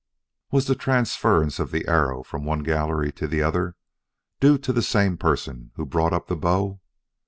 'Was the transference of the arrow from one gallery to the other due to the same person who brought up the bow?'